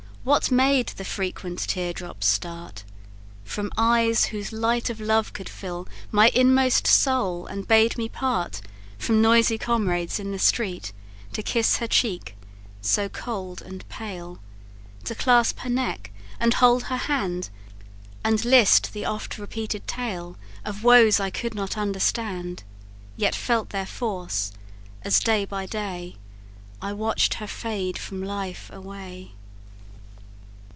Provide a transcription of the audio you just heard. What made the frequent tear drops start From eyes, whose light of love could fill My inmost soul, and bade me part From noisy comrades in the street, To kiss her cheek, so cold and pale, To clasp her neck, and hold her hand, And list the oft repeated tale Of woes I could not understand; Yet felt their force, as, day by day, I watch'd her fade from life away.